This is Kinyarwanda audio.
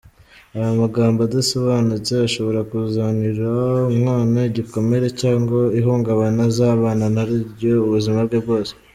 Aya magambo adasobanutse ashobora kuzanira umwana igikomere cyangwa ihungabana azabana naryo ubuzima bwe bwose.